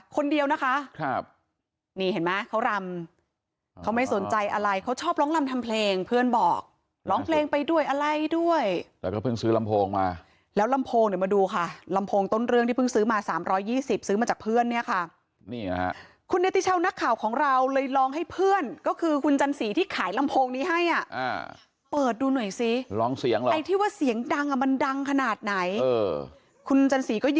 คนเดียวนะคะครับนี่เห็นไหมเขารำเขาไม่สนใจอะไรเขาชอบร้องรำทำเพลงเพื่อนบอกร้องเพลงไปด้วยอะไรด้วยแล้วก็เพิ่งซื้อลำโพงมาแล้วลำโพงเดี๋ยวมาดูค่ะลำโพงต้นเรื่องที่เพิ่งซื้อมาสามร้อยยี่สิบซื้อมาจากเพื่อนเนี้ยค่ะนี่ค่ะคุณเน็ตติเช่านักข่าวของเราเลยลองให้เพื่อนก็คือคุณจันสีที่ขายลำโพงนี้ให